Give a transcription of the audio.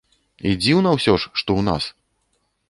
І дзіўна ўсё ж, што ў нас.